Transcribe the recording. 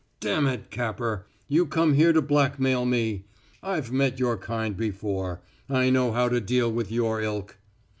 "Demmit, Capper! You come here to blackmail me! I've met your kind before. I know how to deal with your ilk."